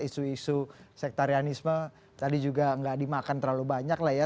isu isu sektarianisme tadi juga nggak dimakan terlalu banyak lah ya